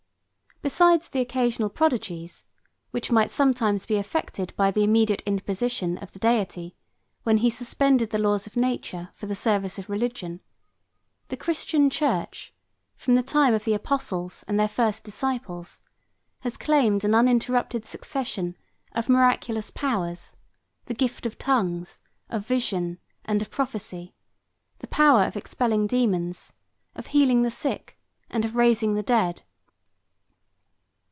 Besides the occasional prodigies, which might sometimes be effected by the immediate interposition of the Deity when he suspended the laws of Nature for the service of religion, the Christian church, from the time of the apostles and their first disciples, 73 has claimed an uninterrupted succession of miraculous powers, the gift of tongues, of vision, and of prophecy, the power of expelling dæmons, of healing the sick, and of raising the dead.